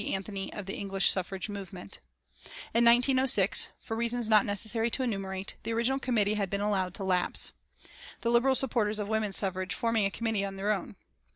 Anthony of the English suffrage movement. In 1906, for reasons not necessary to enumerate, the original committee had been allowed to lapse, the Liberal supporters of women's suffrage forming a committee of their own.